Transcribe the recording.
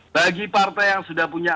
bagi partai yang sudah punya